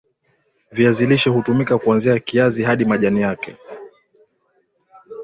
Viazi lishe hutumika kwanzia kiazi hadi majani yake